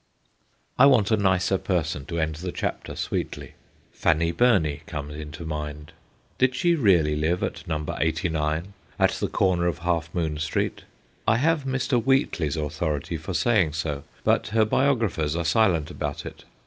I want a nicer person to end the chapter sweetly. Fanny Burney comes into mind. Did she really live at No. 89, at the corner of Half Moon Street ? I have Mr. Wheatley's authority for saying so, but her biographers are silent about it.